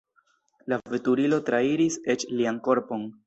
La veturilo trairis eĉ lian korpon.